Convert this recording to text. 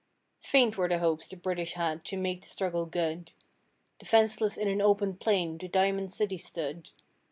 Faint were the hopes the British had to make the struggle good, Defenceless in an open plain the Diamond City stood.